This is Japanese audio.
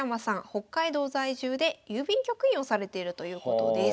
北海道在住で郵便局員をされているということです。